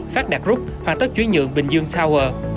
phát đạt group hoàn tất chuyển nhượng bình dương tower